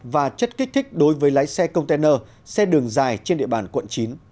và chất kích thích đối với lái xe container xe đường dài trên địa bàn quận chín